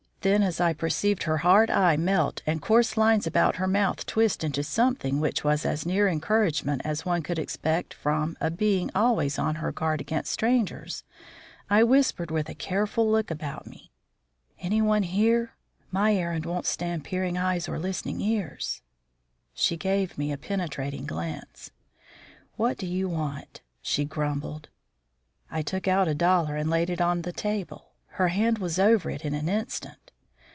Then as I perceived her hard eye melt and the coarse lines about her mouth twist into something which was as near encouragement as one could expect from a being always on her guard against strangers, I whispered with a careful look about me: "Anyone here? My errand won't stand peering eyes or listening ears." She gave me a penetrating glance. "What do you want?" she grumbled. I took out a dollar and laid it on the table. Her hand was over it in an instant.